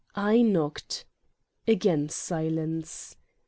I knocked. Again silence.